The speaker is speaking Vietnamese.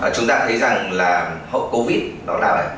chúng ta thấy rằng là hậu covid đó là